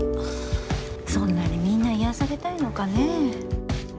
そんなにみんな癒やされたいのかねえ。